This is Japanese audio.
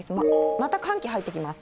また寒気入ってきます。